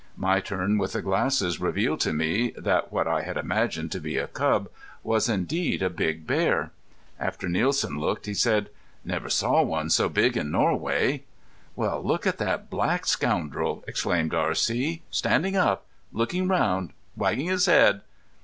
My turn with the glasses revealed to me that what I had imagined to be a cub was indeed a big bear. After Nielsen looked he said: "Never saw one so big in Norway." "Well, look at that black scoundrel!" exclaimed R.C. "Standing up! Looking around! Wagging his head!...